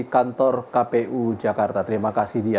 kantor kpu jakarta terima kasih dia